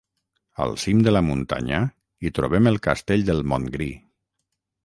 Al cim de la muntanya hi trobem el Castell del Montgrí.